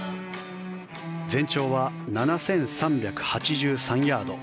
全長は７３８３ヤード。